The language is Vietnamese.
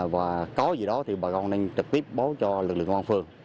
và có gì đó thì bà con nên trực tiếp báo cho lực lượng công an phường